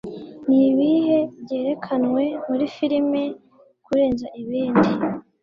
Nibihe Byerekanwe muri Filime Kurenza Ibindi